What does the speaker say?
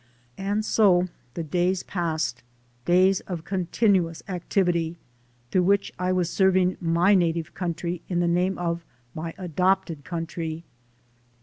And so the days passed, days of continuous activity, through which I was serving my native country in the name of my adopted country.